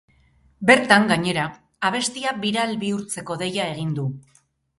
Bertan, gainera, abestia biral bihurtzeko deia egin du.